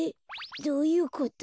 どういうこと？